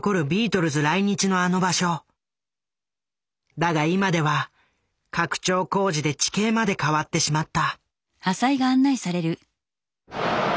だが今では拡張工事で地形まで変わってしまった。